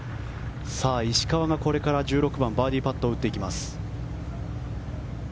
石川が１６番バーディーパット打ってきます。